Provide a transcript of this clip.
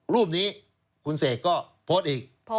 รูปนี้คุณเสกก็โพสต์อีก